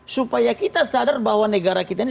supaya kita sadar bahwa negara kita ini